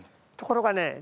ところがね。